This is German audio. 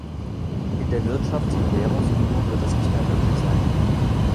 In der Wirtschafts- und Währungsunion wird das nicht mehr möglich sein.